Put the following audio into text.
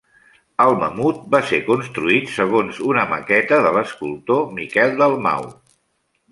El mamut va ser construït segons una maqueta de l'escultor Miquel Dalmau.